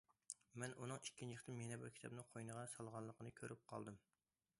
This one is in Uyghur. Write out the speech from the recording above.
مەن ئۇنىڭ ئىككىنچى قېتىم يەنە بىر كىتابنى قوينىغا سالغانلىقىنى كۆرۈپ قالدىم.